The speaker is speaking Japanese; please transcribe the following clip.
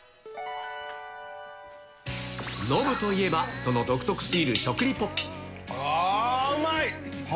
ノブといえば、その独特すぎあー、うまい！